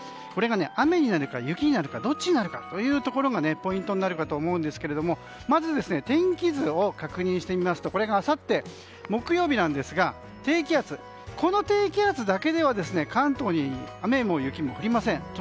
これが雨になるか雪になるかどっちになるかというところがポイントになるかと思いますけどまず、天気図を確認してみますとこれがあさって木曜日なんですがこの低気圧だけでは関東に雨も雪も降りません。